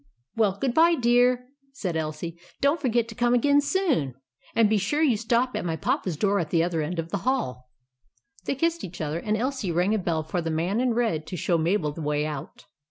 " Well, good bye, dear," said Elsie. " Don't forget to come again soon ; and be sure you stop at my Papa's door at the other end of the hall." They kissed each other; and Elsie rang a bell for the man in red to show Mabel the way out.